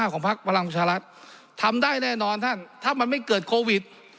๔๐๐๔๒๕ของพศทำได้แน่นอนท่านถ้ามันไม่เกิดโควิด